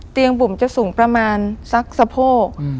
เตียงบุ๋มจะสูงประมาณซักสะโพก